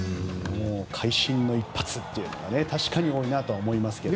会心の一発というのが確かに多いなと思いますけど。